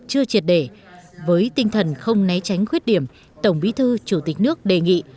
trên triệt đề với tinh thần không né tránh khuyết điểm tổng bí thư chủ tịch nước đề nghị